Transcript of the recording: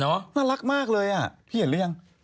น่ารักมากเลยอ่ะพี่เห็นหรือยัง